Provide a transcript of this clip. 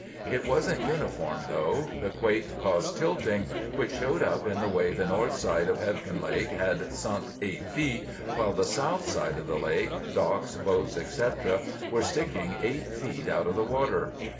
It wasn't uniform, though. The quake caused tilting, which showed up in the way the north side of Hebgen Lake had sunk eight feet, while the south side of the lake, docks, boats, etc., were sticking eight feet out of the water.